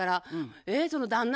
その旦那